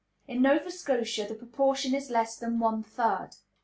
In Nova Scotia the proportion is less than one third.